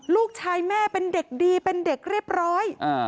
ลูกชายแม่เป็นเด็กดีเป็นเด็กเรียบร้อย